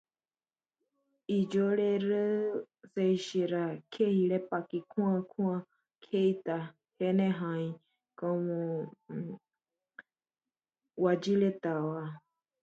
Ha escrito novelas, cuentos, poesía y ensayos, así como crónica periodística.